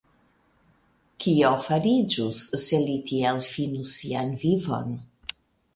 Kio fariĝus, se li tiel finus sian vivon!